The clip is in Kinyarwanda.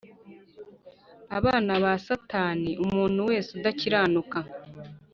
abana ba Satani Umuntu wese udakiranuka